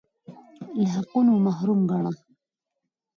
له حقونو محروم ګاڼه